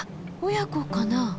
親子かな？